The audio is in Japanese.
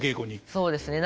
そうですね。